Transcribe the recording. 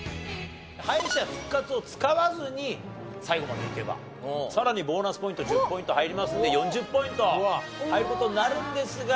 敗者復活を使わずに最後までいけばさらにボーナスポイント１０ポイント入りますんで４０ポイント入る事になるんですが。